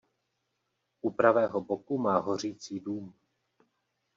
U pravého boku má hořící dům.